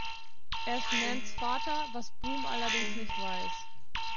Er ist Nans Vater, was Boom allerdings nicht weiß.